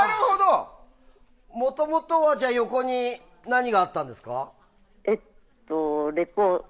もともとは横に何があったんですか？